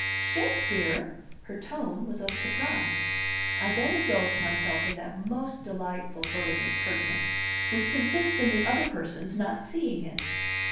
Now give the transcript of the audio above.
"Shakespeare!" Her tone was of surprise. I then indulged myself in that most delightful sort of impertinence, which consists in the other person's not seeing it.